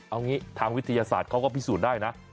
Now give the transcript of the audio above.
เอางี้ทางวิทยาศาสตร์เขาก็พิสูจน์ได้นะ